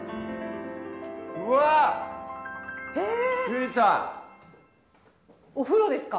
うわっゆりさんお風呂ですか？